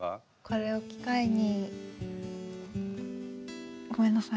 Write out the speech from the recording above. これを機会にごめんなさい。